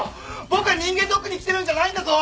僕は人間ドックに来てるんじゃないんだぞ！